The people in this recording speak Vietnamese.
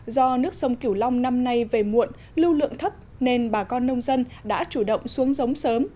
do nước sông cửu long năm nay về muộn lưu lượng thấp nên bà con nông dân đã chủ động xuống giống sớm